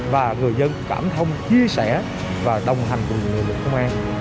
và người dân cảm thông chia sẻ và đồng hành cùng người dân công an